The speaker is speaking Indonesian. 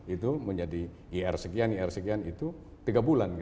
itu menjadi ir sekian ir sekian itu tiga bulan